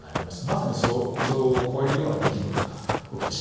まさに想像を超えるような出来事が起きてしまった。